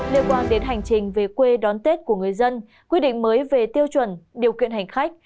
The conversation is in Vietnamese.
liên quan đến hành trình về quê đón tết của người dân quy định mới về tiêu chuẩn điều kiện hành khách